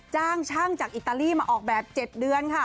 จ้างช่างจากอิตาลีมาออกแบบ๗เดือนค่ะ